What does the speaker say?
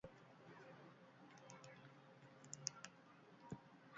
Askok kontrakoa uste arren, lanbide hau ez da berria.